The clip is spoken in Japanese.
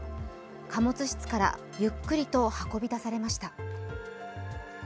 貨物室からゆっくりと運び出されました。